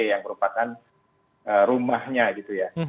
yang merupakan rumahnya gitu ya